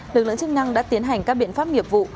lực lượng chức năng đã tiến hành các biện pháp nghiệp vụ